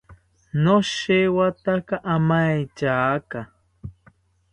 Noshewataka amaetyaka